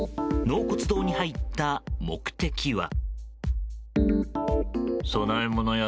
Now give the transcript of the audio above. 納骨堂に入った目的は。